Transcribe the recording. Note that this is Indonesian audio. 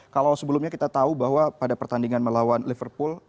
kalau sebelumnya kita tahu bahwa pada pertandingan melawan liverpool